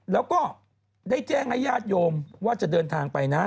แล้วก็ได้แจ้งให้ญาติโยมว่าจะเดินทางไปนะ